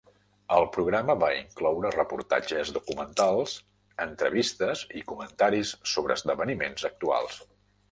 El programa va incloure reportatges documentals, entrevistes i comentaris sobre esdeveniments actuals.